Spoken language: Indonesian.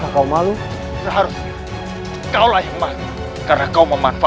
aku akan menutup mulutmu untuk selamanya